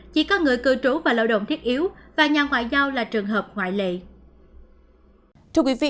chỉ có người cư trú và lợi đồng thiết yếu và nhà ngoại giao là trường hợp ngoại lệ